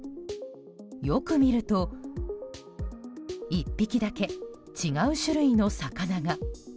よく見ると１匹だけ違う種類の魚が。